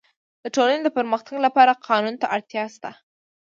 د ټولني د پرمختګ لپاره قانون ته اړتیا سته.